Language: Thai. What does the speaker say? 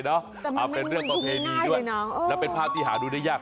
๒ยมมันนานเลยนะแต่มันไม่ง่ายเลยนะแล้วเป็นภาพที่หาดูได้ยาก